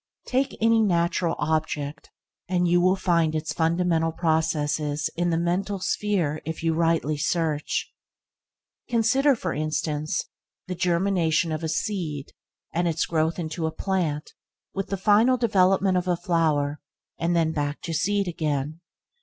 Take any natural object, and you will find its fundamental processes in the mental sphere if you rightly search. Consider, for instance, the germination of a seed and its growth into a plant with the final development of a flower, and back to seed again.